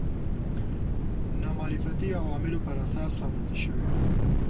نامعرفتي عواملو پر اساس رامنځته شوي وو